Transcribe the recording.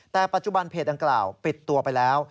แต่ปัจจุบันเพจดังกล่าวปิดตัวไปแล้ว